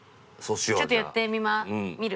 ちょっとやってみまみる。